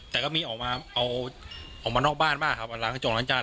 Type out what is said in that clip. แต่ก็มีออกมาเอาออกมานอกบ้านบ้างครับล้างกระจกล้างจาน